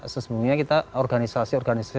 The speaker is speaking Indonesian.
sesungguhnya kita organisasi organisasi